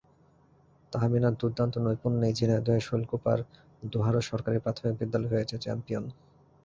তাহমিনার দুর্দান্ত নৈপুণ্যেই ঝিনাইদহের শৈলকুপার দোহারো সরকারি প্রাথমিক বিদ্যালয় হয়েছে চ্যাম্পিয়ন।